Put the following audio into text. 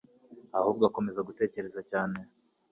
ahubwo akomeza gutekereza cyane